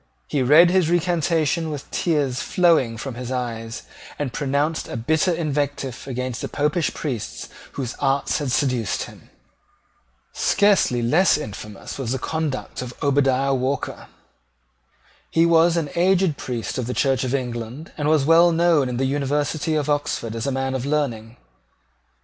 He read his recantation with tears flowing from his eyes, and pronounced a bitter invective against the Popish priests whose arts had seduced him. Scarcely less infamous was the conduct of Obadiah Walker. He was an aged priest of the Church of England, and was well known in the University of Oxford as a man of learning.